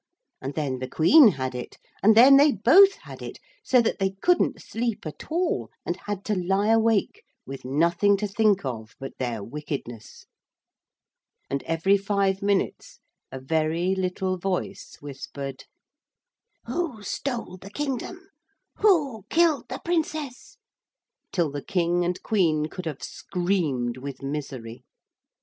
And then the Queen had it. And then they both had it, so that they couldn't sleep at all, and had to lie awake with nothing to think of but their wickedness. And every five minutes a very little voice whispered: 'Who stole the kingdom? Who killed the Princess?' till the King and Queen could have screamed with misery.